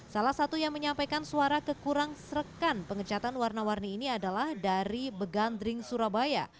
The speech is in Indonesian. salah satu yang menyampaikan suara kekurang serekan pengecatan warna warni ini adalah dari begandring surabaya